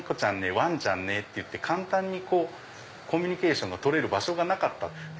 ワンちゃんねっていって簡単にコミュニケーションが取れる場所がなかった。